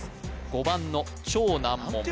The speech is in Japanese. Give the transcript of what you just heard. ５番の超難問